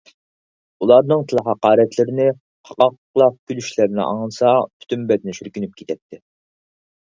ئۇلارنىڭ تىل-ھاقارەتلىرىنى، قاقاھلاپ كۈلۈشلىرىنى ئاڭلىسا پۈتۈن بەدىنى شۈركۈنۈپ كېتەتتى.